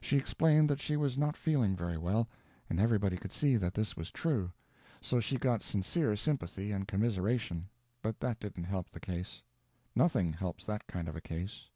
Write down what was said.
She explained that she was not feeling very well, and everybody could see that this was true; so she got sincere sympathy and commiseration; but that didn't help the case. Nothing helps that kind of a case.